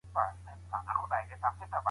راځئ چې سيال شو.